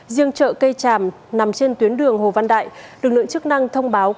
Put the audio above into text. riêng chợ cây tràm nằm trên tuyến đường hồ văn đại lực lượng chức năng thông báo